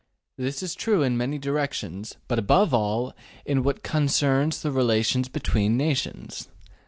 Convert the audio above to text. This is true in many directions, but above all in what con cerns the relations between nations.